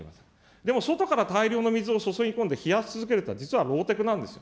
でも、外から大量の水を注ぎ込んで冷やし続けるというのは実はローテクなんですよ。